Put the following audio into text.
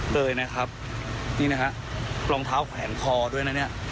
เลยนะครับนี่นะฮะรองเท้าแขวนคอด้วยนะเนี่ย